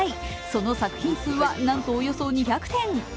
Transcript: その作品数はなんとおよそ２００点。